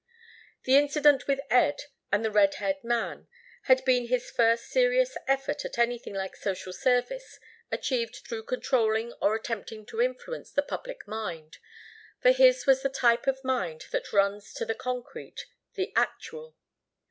The incident with Ed and the red haired man had been his first serious effort at anything like social service achieved through controlling or attempting to influence the public mind, for his was the type of mind that runs to the concrete, the actual.